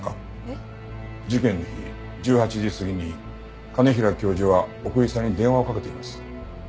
えっ？事件の日１８時過ぎに兼平教授は奥居さんに電話をかけています。